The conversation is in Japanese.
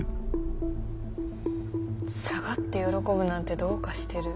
下がって喜ぶなんてどうかしてる。